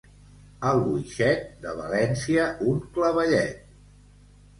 Albuixec, de València un clavellet.